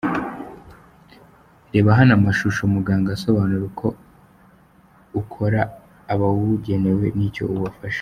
Reba hano amashusho muganga asobanura uko ukora ,abawugenewe n'icyo ubafasha .